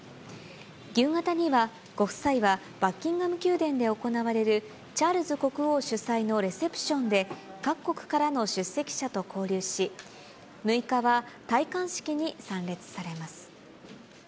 夕方には、ご夫妻はバッキンガム宮殿で行われるチャールズ国王主催のレセプションで、各国からの出席者と交流し、６日は戴冠式に参列されます。